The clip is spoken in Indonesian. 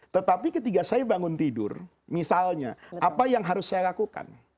tetapi ketika saya bangun tidur misalnya apa yang harus saya lakukan